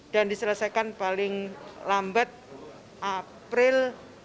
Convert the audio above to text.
dan diselesaikan paling lambat lima belas april dua ribu dua puluh dua